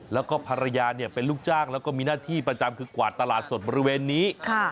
แล้วก็ภรรยาเป็นลูกจ้างแล้วก็มีหน้าที่ประจำคือกวาดตลาดสดบริเวณนี้